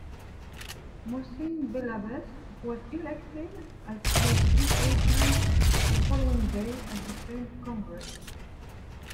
Mohcine Belabbes was elected as his replacement the following day, at the same congress.